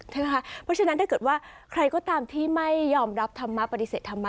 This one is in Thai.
เพราะฉะนั้นถ้าเกิดว่าใครก็ตามที่ไม่ยอมรับธรรมะปฏิเสธธรรมะ